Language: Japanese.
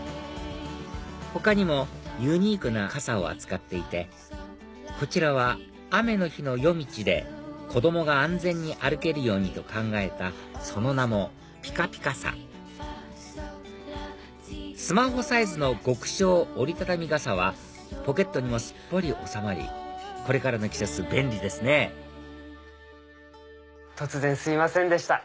他にもユニークな傘を扱っていてこちらは雨の日の夜道で子供が安全に歩けるようにと考えたその名もぴかぴかさスマホサイズの極小折り畳み傘はポケットにもすっぽり収まりこれからの季節便利ですね突然すいませんでした。